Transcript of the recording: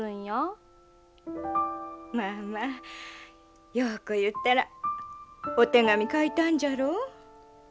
まあまあ瑤子いうたらお手紙書いたんじゃろう。